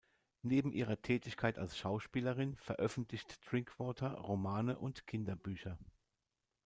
Neben ihrer Tätigkeit als Schauspielerin veröffentlicht Drinkwater Romane und Kinderbücher.